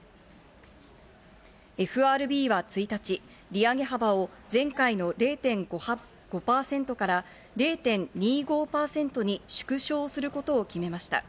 ＦＲＢは１日、利上げ幅を前回の０．５％から０．２５％に縮小することを決めました。